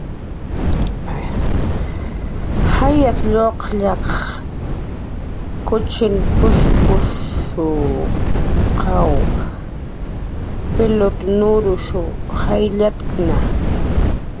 "Jayas lluqallkunsq kuchin p""usputp""shqaw pilut nurush jayllatkna."